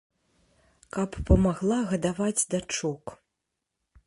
Каб памагла гадаваць дачок.